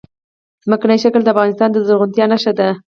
ځمکنی شکل د افغانستان د زرغونتیا نښه ده.